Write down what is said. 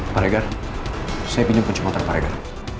paregar saya pinjam pencematan paregar